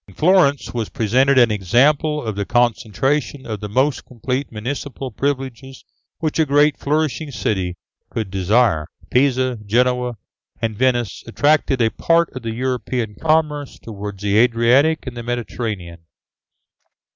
In Florence was presented an example of the concentration of the most complete municipal privileges which a great flourishing city could desire. Pisa, Genoa, and Venice attracted a part of the European commerce towards the Adriatic and the Mediterranean.